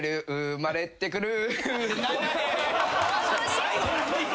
「生まれてくる」